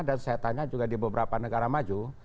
dan saya tanya juga di beberapa negara maju